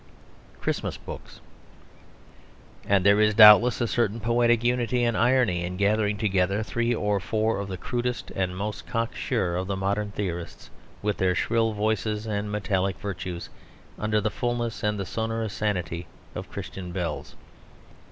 CHRISTMAS BOOKS And there is doubtless a certain poetic unity and irony in gathering together three or four of the crudest and most cocksure of the modern theorists, with their shrill voices and metallic virtues, under the fulness and the sonorous sanity of Christian bells.